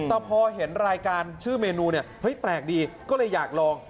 แต่พอเห็นรายการชื่อเมนูเนี่ยเฮ้ยแปลกดีก็เลยอยากลอง